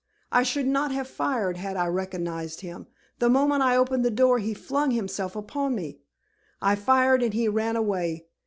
I should not have fired had I recognized him. The moment I opened the door he flung himself upon me. I fired and he ran away.